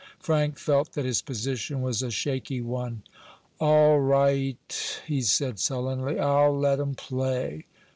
Frank felt that his position was a shaky one. "All right," he said, sullenly. "I'll let 'em play.